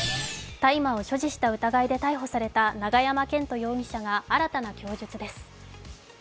大麻を所持した疑いで逮捕された永山絢斗容疑者が新たな供述です。